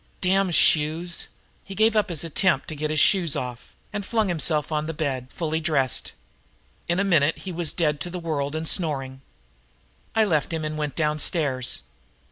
Damn shoes!" He gave up the attempt to get his shoes off and flung himself on the bed, fully dressed. In a minute he was dead to the world and snoring. I left him and went downstairs.